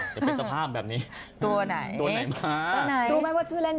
จะเป็นสภาพแบบนี้ตัวไหนตัวไหนมาตัวไหนรู้ไหมว่าชื่อเล่น